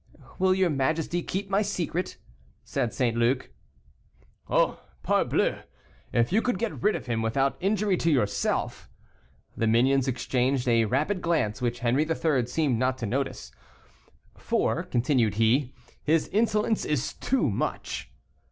"Will your majesty keep my secret?" said St. Luc. "Oh! parbleu, if you could get rid of him without injury to yourself " The minions exchanged a rapid glance, which Henri III. seemed not to notice. "For," continued he, "his insolence is too much."